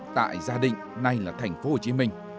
tại gia định nay là thành phố hồ chí minh